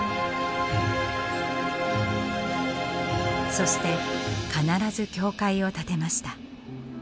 そして必ず教会を建てました。